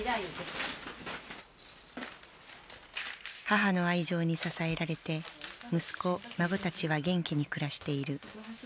母の愛情に支えられて息子孫たちは元気に暮らしている。